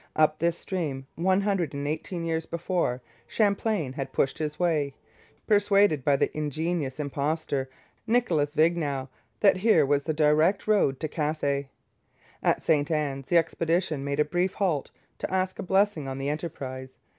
Up this stream, one hundred and eighteen years before, Champlain had pushed his way, persuaded by the ingenious impostor Nicolas Vignau that here was the direct road to Cathay. At St Anne's the expedition made a brief halt to ask a blessing on the enterprise.